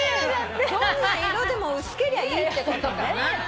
どんな色でも薄けりゃいいってことかな？